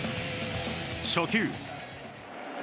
初球。